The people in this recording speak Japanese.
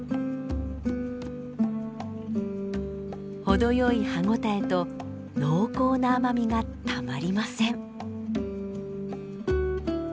ほどよい歯応えと濃厚な甘みがたまりません。